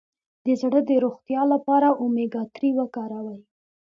د زړه د روغتیا لپاره اومیګا تري وکاروئ